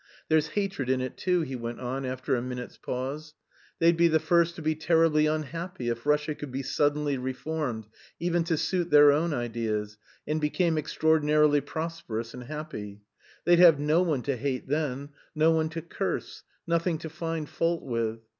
"There's hatred in it, too," he went on, after a minute's pause. "They'd be the first to be terribly unhappy if Russia could be suddenly reformed, even to suit their own ideas, and became extraordinarily prosperous and happy. They'd have no one to hate then, no one to curse, nothing to find fault with.